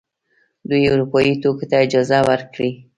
دوی اروپايي توکو ته اجازه ورکړي.